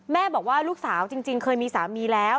บอกว่าลูกสาวจริงเคยมีสามีแล้ว